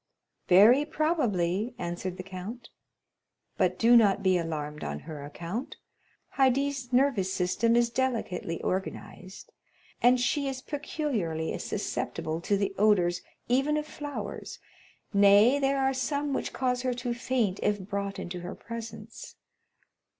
"Very probably," answered the count. "But do not be alarmed on her account. Haydée's nervous system is delicately organized, and she is peculiarly susceptible to the odors even of flowers—nay, there are some which cause her to faint if brought into her presence.